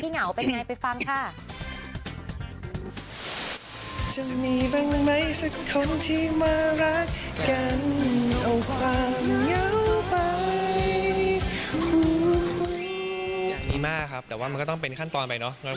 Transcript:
อยากมีมาครับแต่ว่ามันก็ต้องเป็นขั้นตอนไปเนาะ